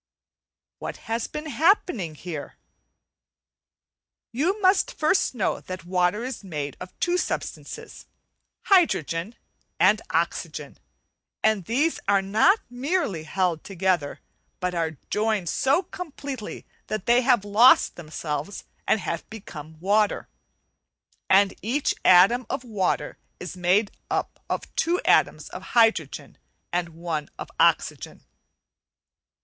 What has been happening here? You must first know that water is made of two substances, hydrogen and oxygen, and these are not merely held together, but are joined to completely that they have lost themselves and have become water; and each atom of water is made of two atoms of hydrogen and one of oxygen.